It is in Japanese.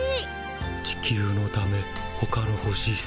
地球のためほかの星すて。